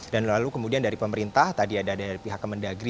dan lalu kemudian dari pemerintah tadi ada dari pihak kemendagri